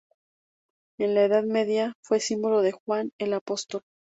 En la Edad Media, fue símbolo de Juan el Apóstol.